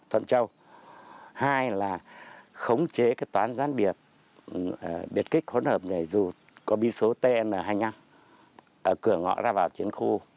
hai là khống chế toán doanh nghiệp biệt kích hỗn hợp nhảy dù có biên số tn hai mươi năm ở cửa ngõ ra vào chiến khu